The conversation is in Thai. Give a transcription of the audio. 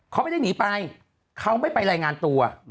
เขาไม่ได้หนีไปเขาไม่ไปรายงานตัว